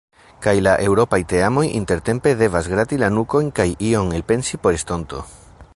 Kaj la eŭropaj teamoj intertempe devas grati la nukojn kaj ion elpensi por estonto.